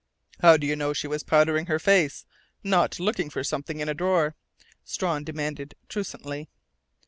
"How do you know she was powdering her face, not looking for something in a drawer?" Strawn demanded truculently.